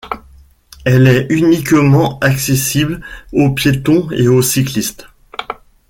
Elle est uniquement accessible aux piétons et aux cyclistes.